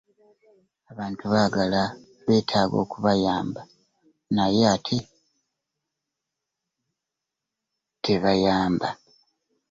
Abamu beetaaga okubayamba naye ate tebayamba.